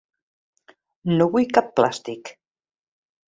No vull cap plàstic.